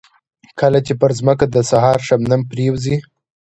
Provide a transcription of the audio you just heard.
کله چې پر ځمکه د سهار شبنم پرېوځي.